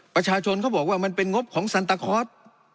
ประชาชนเขาบอกว่ามันเป็นงบของซันตาคอร์ส